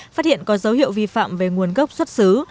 phát hiện có dấu hiệu vi phạm về nguồn gốc xuất xứ